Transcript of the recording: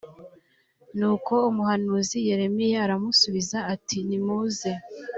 nuko umuhanuzi yeremiya arabasubiza ati nimuze